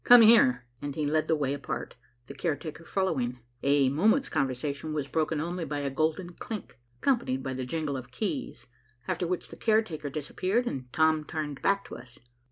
"Come here," and he led the way apart, the caretaker following. A moment's conversation was broken only by a golden clink, accompanied by the jingle of keys, after which the caretaker disappeared, and Tom turned back to us.